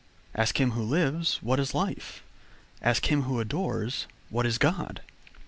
Ask him who lives, what is life? ask him who adores, what is God?